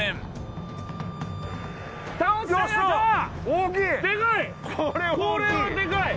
大きい！